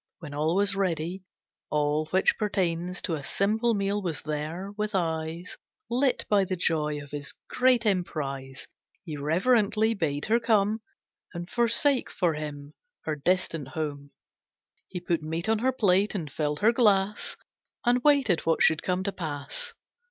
When all was ready, all which pertains To a simple meal was there, with eyes Lit by the joy of his great emprise, He reverently bade her come, And forsake for him her distant home. He put meat on her plate and filled her glass, And waited what should come to pass.